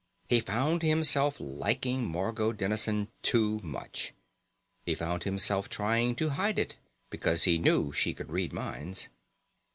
He found himself liking Margot Dennison too much. He found himself trying to hide it because he knew she could read minds.